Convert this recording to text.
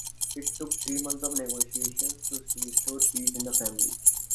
It took three months of negotiations to restore peace in the family.